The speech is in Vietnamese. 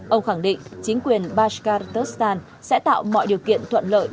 ông khẳng định chính quyền baskaterstan sẽ tạo mọi điều kiện thuận lợi